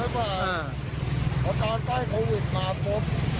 แต่ตอนใต้โควิด๑๙มาปุ๊บ